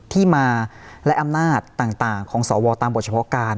ที่มาและอำนาจต่างของสวตามบทเฉพาะการ